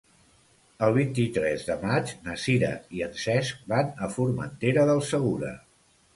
El vint-i-tres de maig na Sira i en Cesc van a Formentera del Segura.